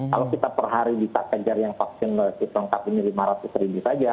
kalau kita per hari kita kejar yang vaksinnya ditengkap ini lima ratus ribu saja